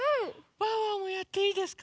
ワンワンもやっていいですか？